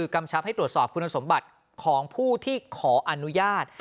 กำชับให้ตรวจสอบคุณสมบัติของผู้ที่ขออนุญาต